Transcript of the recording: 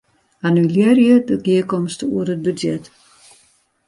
Annulearje de gearkomste oer it budzjet.